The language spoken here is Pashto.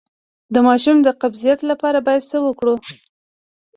د ماشوم د قبضیت لپاره باید څه وکړم؟